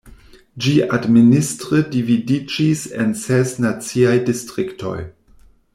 Ĝi administre dividiĝis en ses naciaj distriktoj.